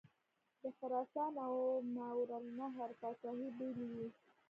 د خراسان او ماوراءالنهر پاچهي بېلې وې.